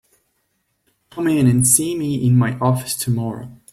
Come in and see me in my office tomorrow.